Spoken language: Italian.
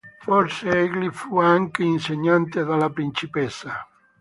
Forse egli fu anche insegnante della principessa.